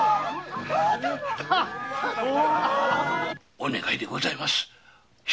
お願いでございます。